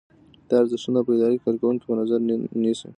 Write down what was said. دا ارزښتونه په اداره کې کارکوونکي په نظر کې نیسي.